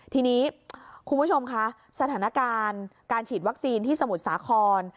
ทีนี้คุณผู้ชมคะสถานการณ์การฉีดวัคซีนที่สมุทรสาคร